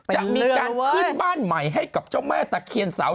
จะมีการขึ้นบ้านใหม่ให้กับเจ้าแม่ตะเคียนเสา